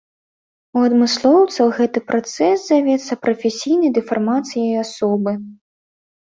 У адмыслоўцаў гэты працэс завецца прафесійнай дэфармацыяй асобы.